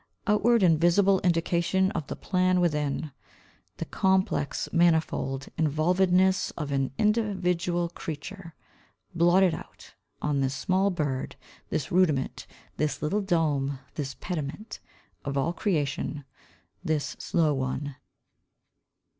Outward and visible indication of the plan within, The complex, manifold involvedness of an individual creature Blotted out On this small bird, this rudiment, This little dome, this pediment Of all creation, This slow one.